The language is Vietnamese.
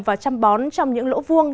và chăm bón trong những lỗ vuông